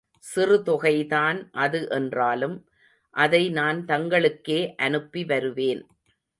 சிறு தொகைதான் அது என்றாலும், அதை நான் தங்களுக்கே அனுப்பி வருவேன்.